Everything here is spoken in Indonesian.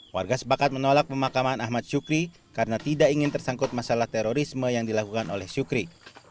warga sepakat menolak pemakaman ahmad syukri karena tidak ingin tersangkut masalah terorisme yang dilakukan oleh syukri